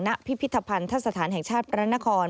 ณพิพิธภัณฑ์ทัศนฐานแห่งชาติพระนคร